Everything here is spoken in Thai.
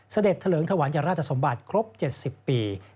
เสด็จทะเลิงทะวันอย่างราชสมบัติครบ๗๐ปี